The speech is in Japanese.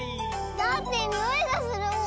だってにおいがするもん。